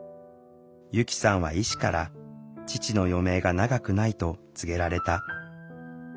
由希さんは医師から父の余命が長くないと告げられた。